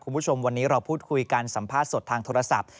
คุณผู้ชมวันนี้เราพูดคุยกันสัมภาษณ์สดทางโทรศัพท์